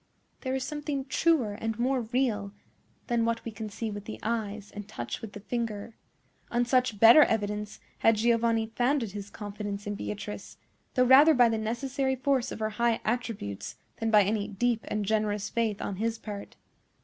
There is something truer and more real than what we can see with the eyes and touch with the finger. On such better evidence had Giovanni founded his confidence in Beatrice, though rather by the necessary force of her high attributes than by any deep and generous faith on his part.